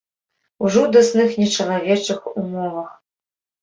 У жудасных нечалавечых умовах.